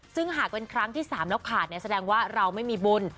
ซึ่งหากเป็นครั้งที่๓แล้วขาดแสดงว่าเราไม่มีบุญ